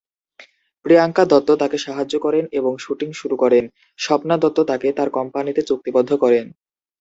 প্রিয়াঙ্কা দত্ত তাকে সাহায্য করেন, এবং শুটিং শুরু করেন, স্বপ্না দত্ত তাকে তার কোম্পানিতে চুক্তিবদ্ধ করেন।